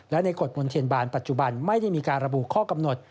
และในกฎมนเทียนบานปัจจุบันไม่ได้มีการระบุข้อกำหนด